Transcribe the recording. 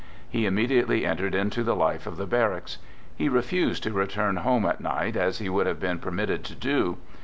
He immediately entered into the life of the barracks. He refused to return home at night as he would have been permitted to do.